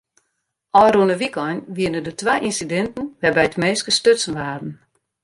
Ofrûne wykein wiene der twa ynsidinten wêrby't minsken stutsen waarden.